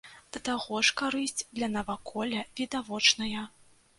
Да таго ж карысць для наваколля відавочная.